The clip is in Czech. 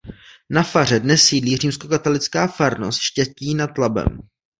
Na faře dnes sídlí římskokatolická farnost Štětí nad Labem.